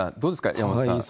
山本さん。